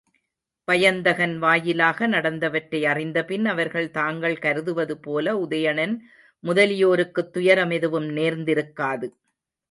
வயந்தகன் வாயிலாக நடந்தவற்றை அறிந்தபின் அவர்கள் தாங்கள் கருதுவதுபோல உதயணன் முதலியோருக்குத் துயரம் எதுவும் நேர்ந்திரக்காது.